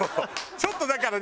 ちょっとだからね